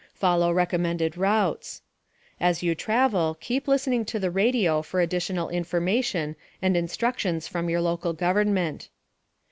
Follow recommended routes. As you travel, keep listening to the radio for additional information and instructions from your local government.